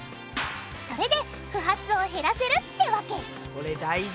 それで不発を減らせるってわけこれ大事！